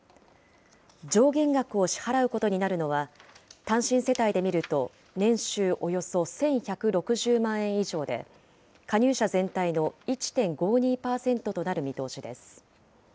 上限額を支払うことになるのは、単身世帯で見ると年収およそ１１６０万円以上で、加入者全体の１．５２％となる見通しです。